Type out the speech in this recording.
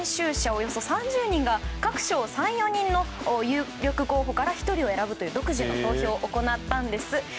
およそ３０人が各賞３４人の有力候補から１人を選ぶという独自の投票を行ったんです。